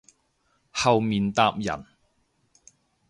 後面搭人